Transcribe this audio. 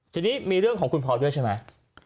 ทีนี้มีเรื่องของคุณพลอยด้วยใช่ไหม